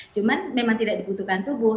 cuma memang tidak dibutuhkan tubuh